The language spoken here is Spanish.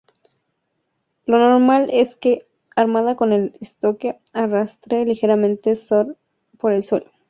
Lo normal es que, armada con el estoque, arrastre ligeramente por el suelo.